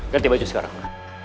ganti baju sekarang